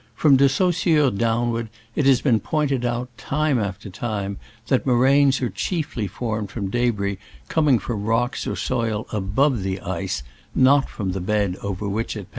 From De Saussure? downward it has been pointed out, time after time, that moraines are chiefly formed from debris coming from rocks or soil above the ice, not from the bed over which it passes.